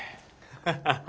ハハハッ。